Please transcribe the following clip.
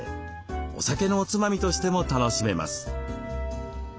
お酒のおつまみとしても楽しめます。